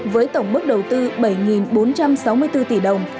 với tổng mức đầu tư bảy bốn trăm sáu mươi bốn tỷ đồng